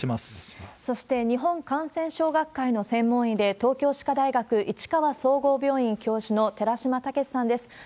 そして、日本感染症学会の専門医で、東京歯科大学市川総合病院教授の寺嶋毅さんです。